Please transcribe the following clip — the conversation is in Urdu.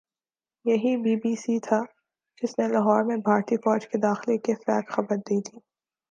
یہی بی بی سی تھا جس نے لاہور میں بھارتی فوج کے داخلے کی فیک خبر دی تھی